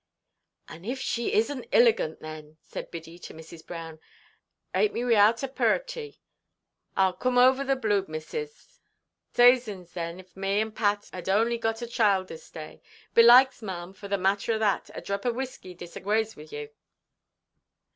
"An' if she isnʼt illigant, then," said Biddy to Mrs. Brown, "ate me wiʼout a purratie. Arl coom ov' the blude, missus. Sazins, then, if me and Pat had oonly got a child this day! Belikes, maʼam, for the matter o' that, a drap o' whisky disagrays with you."